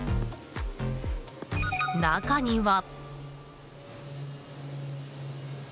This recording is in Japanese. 中には。